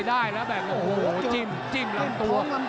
ติดตามยังน้อยกว่า